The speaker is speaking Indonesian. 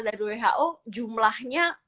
dari who jumlahnya